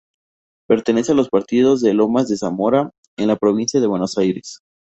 Pertenece al partido de Lomas de Zamora en la provincia de Buenos Aires.